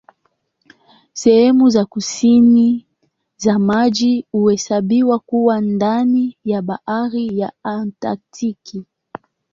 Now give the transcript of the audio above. Sehemu za kusini za maji huhesabiwa kuwa ndani ya Bahari ya Antaktiki.